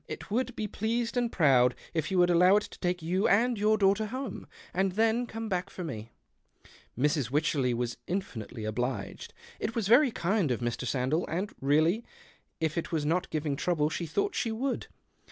It would be pleased and proud if you would allow it to take you and your daughter home, and then come ])ack for me." Mrs. Wycherley w^as infinitely obliged. It was very kind of Mr. Sandell, and really if it was not giving trouble she thought she would.